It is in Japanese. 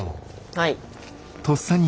はい。